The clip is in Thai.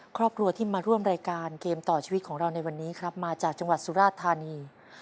ครอบครัวที่มาร่วมรายการเกมต่อชีวิตของเราในวันนี้ครับมาจากจังหวัดสุราชธานี